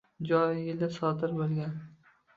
Joriy yilda sodir bo‘lgan